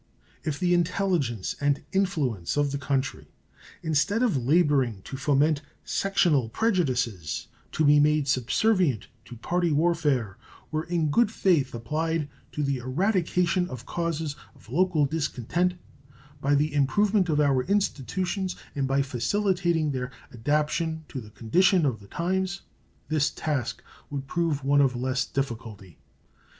If the intelligence and influence of the country, instead of laboring to foment sectional prejudices, to be made subservient to party warfare, were in good faith applied to the eradication of causes of local discontent, by the improvement of our institutions and by facilitating their adaptation to the condition of the times, this task would prove one of less difficulty.